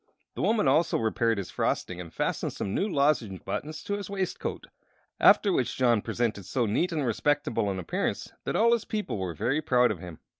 The woman also repaired his frosting and fastened some new lozenge buttons to his waistcoat, after which John presented so neat and respectable an appearance that all his people were very proud of him.